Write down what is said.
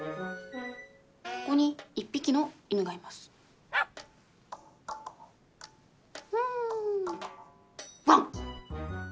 ここに１匹の犬がいますワーンワン！